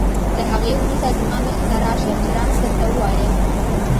له هغې وروسته زما مخې ته راشه چې رمز درته ووایم.